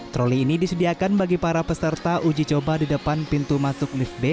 troli ini disediakan bagi para peserta uji coba di depan pintu masuk lift b